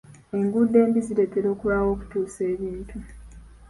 Enguudo embi zireetera okulwawo okutuusa ebintu.